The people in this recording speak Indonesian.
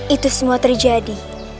itu semua terjadi